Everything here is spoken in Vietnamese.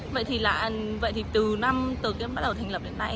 vậy thì từ năm bắt đầu thành lập đến nay